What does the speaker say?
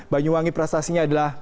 banyuwangi prestasinya adalah